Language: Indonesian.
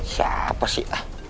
siapa sih ah